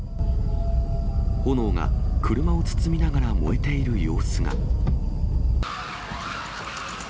炎が車を包みながら燃えている様子が。